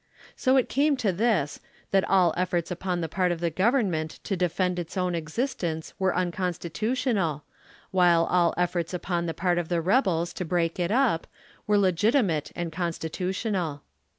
So it came to tins, that all ef forts upon the part of the Government to defend its own existence were unconstitutional, while all efforts upon the part of the rebels to break it up, were legitimate and con stitutional.